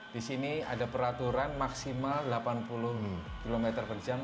disini ada peraturan maksimal delapan puluh km per jam